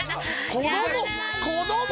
子供子供！